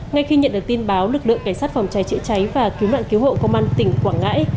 ngay khi nhận được tin báo lực lượng cảnh sát phòng cháy chữa cháy và cứu nạn cứu hộ công an tỉnh quảng ngãi